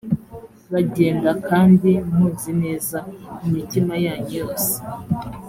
bagenda kandi muzi neza mu mitima yanyu yose